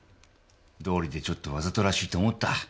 どおりでちょっとわざとらしいと思った。